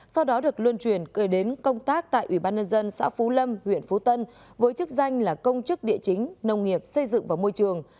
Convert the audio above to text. sau đó được luân truyền cười đến công tác tại ủy ban nhân dân xã phú lâm huyện phú tân với chức danh là công chức địa chính nông nghiệp xây dựng và môi trường